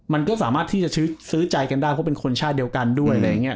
มันก็สามารถที่จะซื้อใจกันได้เพราะเป็นคนชาติเดียวกันด้วยอะไรอย่างนี้